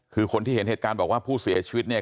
คือคนที่เห็นเหตุการณ์บอกว่าผู้เสียชีวิตเนี่ย